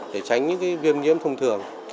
để tránh những viêm nhiễm thông thường